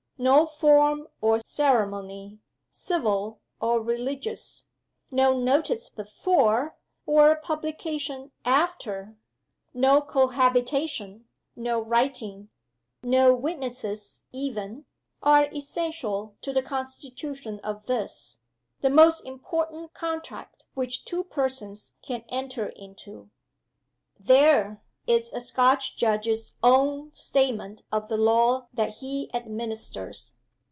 No form or ceremony, civil or religious; no notice before, or publication after; no cohabitation, no writing, no witnesses even, are essential to the constitution of this, the most important contract which two persons can enter into.' There is a Scotch judge's own statement of the law that he administers!